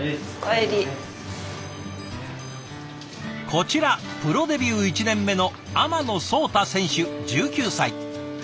こちらプロデビュー１年目の天野颯大選手１９歳。